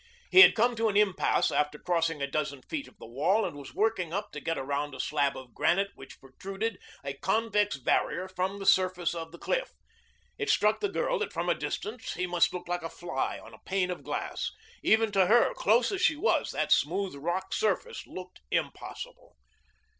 He had come to an impasse after crossing a dozen feet of the wall and was working up to get around a slab of granite which protruded, a convex barrier, from the surface of the cliff. It struck the girl that from a distance he must look like a fly on a pane of glass. Even to her, close as she was, that smooth rock surface looked impossible.